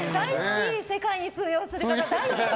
世界に通用する方、大好き！